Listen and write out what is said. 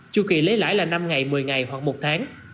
chu kỳ lấy lãi là năm ngày một mươi ngày hoặc một tháng